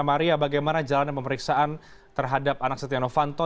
maria bagaimana jalannya pemeriksaan terhadap anak setia novanto